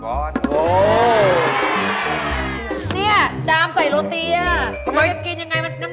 กินไม่ได้มันโซโคปก